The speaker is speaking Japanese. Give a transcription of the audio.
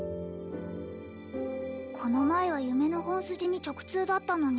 この前は夢の本筋に直通だったのに